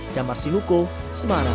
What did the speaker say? jamar sinuko semarang